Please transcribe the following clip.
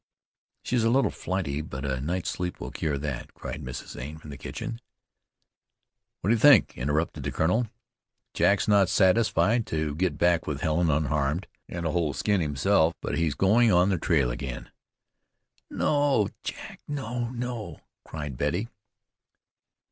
"She's a little flighty; but a night's sleep will cure that," cried Mrs. Zane from the kitchen. "What do you think?" interrupted the colonel. "Jack's not satisfied to get back with Helen unharmed, and a whole skin himself; but he's going on the trail again." "No, Jack, no, no!" cried Betty.